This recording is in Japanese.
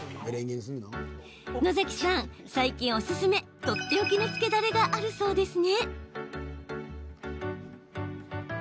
野崎さん、最近考案したとっておきのつけだれがあるそうですね？